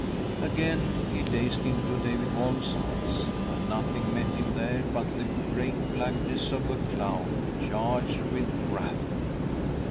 Again he gazed into David Holm's eyes, but nothing met him there but the great blackness of a cloud charged with wrath.